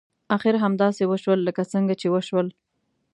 اخر همداسې وشول لکه څنګه چې وشول.